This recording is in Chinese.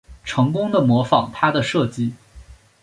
成功的模仿他的设计